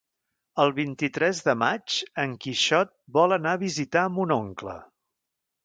El vint-i-tres de maig en Quixot vol anar a visitar mon oncle.